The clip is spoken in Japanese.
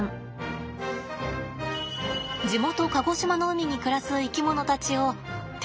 地元鹿児島の海に暮らす生き物たちをって